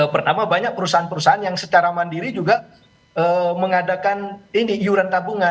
pertama banyak perusahaan perusahaan yang secara mandiri juga mengadakan ini iuran tabungan